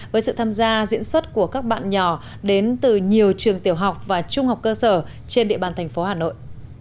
với sự tham gia diễn xuất của các bạn nhỏ đến từ nhiều trường tiểu học và trung học cơ sở trên địa bàn thành phố hà nội